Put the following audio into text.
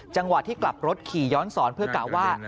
จังหวะที่กลับรถขี่ย้อนสอนเพื่อกล่าวว่า